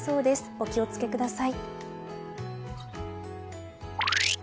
お気をつけください。